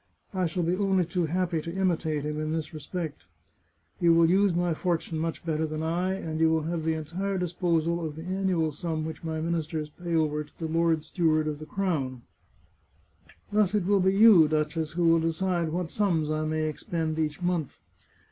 I shall be only too happy to imitate him in this re spect. You will use my fortune much better than I, and you will have the entire disposal of the annual sum which my ministers pay over to the lord steward of the crown. Thus 474 The Chartreuse of Parma it will be you, duchess, who will decide what sums I may expend each month."